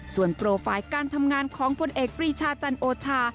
ส่วนโปรไฟล์การทำงานของพลเอกปรีชาจันโอชา